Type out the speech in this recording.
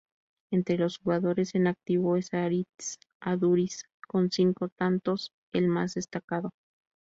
Entre los jugadores en activo es Aritz Aduriz con cinco tantos el más destacado.